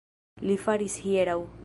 Li faris hieraŭ